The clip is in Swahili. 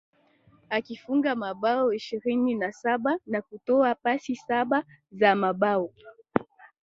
Akifunga mabao ishirini na saba na kutoa pasi saba za mabao